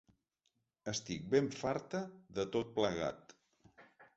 Estic ben farta de tot plegat.